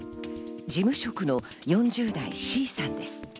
事務職の４０代、Ｃさんです。